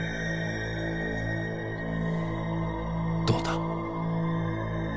どうだ？